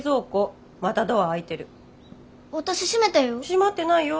閉まってないよ。